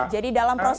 jadi dalam proses